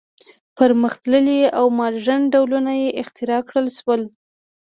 پرمختللي او ماډرن ډولونه یې اختراع کړل شول.